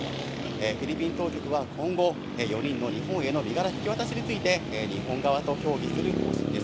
フィリピン当局は今後、４人の日本への身柄引き渡しについて、日本側と協議する方針です。